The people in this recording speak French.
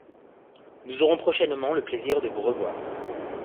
Nous aurons prochainement le plaisir de vous revoir.